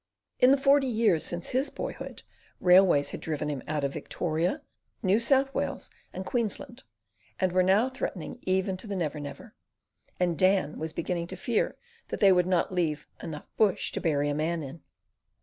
In the forty years since his boyhood railways had driven him out of Victoria, New South Wales and Queensland, and were now threatening even the Never Never, and Dan was beginning to fear that they would not leave "enough bush to bury a man in."